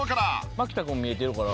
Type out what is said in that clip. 牧田君見えてるから。